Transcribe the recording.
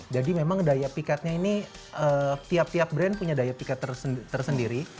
jadi memang daya pikatnya ini tiap tiap brand punya daya pikat tersendiri